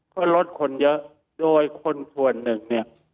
ก็ลดคนเยอะโดยคนส่วนหนึ่ง